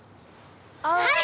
はい！